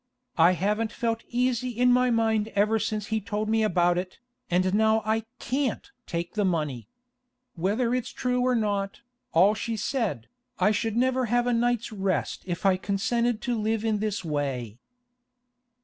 I haven't felt easy in my mind ever since he told me about it, and now I can't take the money. Whether it's true or not, all she said, I should never have a night's rest if I consented to live in this way.